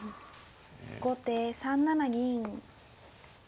後手３七銀。